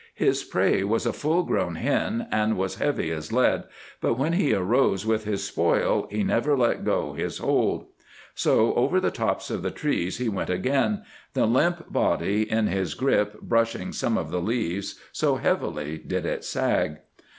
His prey was a full grown hen and was heavy as lead, but when he arose with his spoil he never let go his hold. So over the tops of the trees he went again, the limp body in his grip brushing some of the leaves, so heavily did it sag.